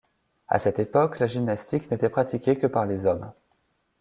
À cette époque, la gymnastique n'était pratiquée que par les hommes.